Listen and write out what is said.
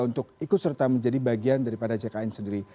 untuk ikut serta menjadi bagian dari ckn sendiri